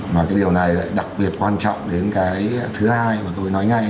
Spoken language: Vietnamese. mà cái điều này lại đặc biệt quan trọng đến cái thứ hai mà tôi nói ngay